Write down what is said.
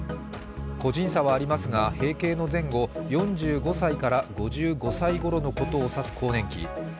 個人差はありますが閉経の前後、４５歳から５５歳ごろのことを指す更年期。